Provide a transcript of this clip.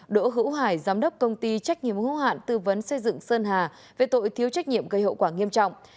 đỗ hữu hải giám đốc công ty trách nhiệm hữu hạn tư vấn xây dựng sơn hà về tội thiếu trách nhiệm gây hậu quả nghiêm trọng